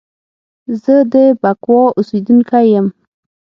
زه د بکواه اوسیدونکی یم